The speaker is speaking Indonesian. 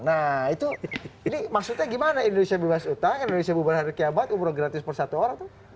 nah itu ini maksudnya gimana indonesia bebas utang indonesia bubar hari kiamat umroh gratis per satu orang tuh